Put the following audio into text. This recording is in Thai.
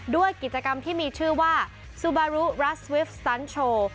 ด้วยกิจกรรมที่มีชื่อว่าซูบารุรัสวิฟสันโชว์